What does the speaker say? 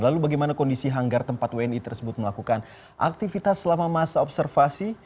lalu bagaimana kondisi hanggar tempat wni tersebut melakukan aktivitas selama masa observasi